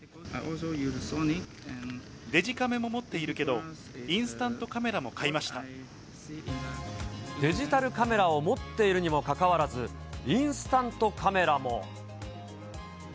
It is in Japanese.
デジカメも持っているけど、デジタルカメラを持っているにもかかわらず、インスタントカメラも。